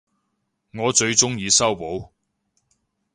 我最鍾意修補